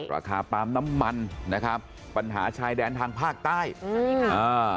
ปลามน้ำมันนะครับปัญหาชายแดนทางภาคใต้อืมอ่า